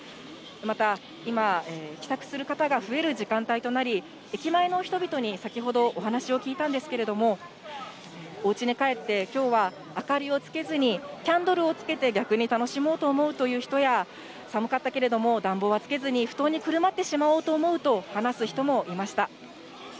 また、今、帰宅する方が増える時間帯となり、駅前の人々に、先ほどお話を聞いたんですけれども、おうちに帰って、きょうは明かりをつけずに、キャンドルをつけて、逆に楽しもうと思うという人や、寒かったけれども、暖房はつけずに布団にくるまってしまおうと思うと話す人もいました。